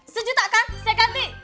sejuta kan saya ganti